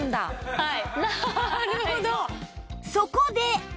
はい。